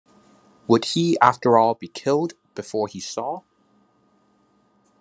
Would he, after all, be killed before he saw?